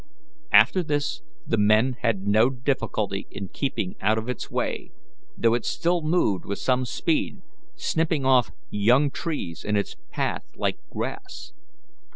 After this the men had no difficulty in keeping out of its way, though it still moved with some speed, snipping off young trees in its path like grass.